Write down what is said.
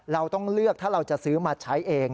เราต้องเลือกถ้าเราจะซื้อมาใช้เอง